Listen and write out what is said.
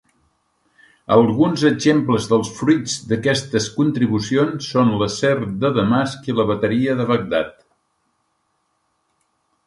Alguns exemples dels fruits d'aquestes contribucions són l'acer de Damasc i la Bateria de Bagdad.